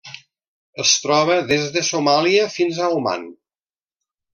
Es troba des de Somàlia fins a Oman.